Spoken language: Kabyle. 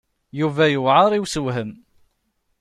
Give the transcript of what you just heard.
Yuba yewɛeṛ i ussewhem.